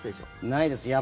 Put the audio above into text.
ないです。